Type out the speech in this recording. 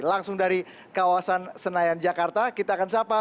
langsung dari kawasan senayan jakarta kita akan sapa